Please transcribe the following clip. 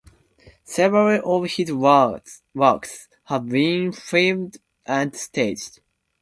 Several of his works have been filmed and staged.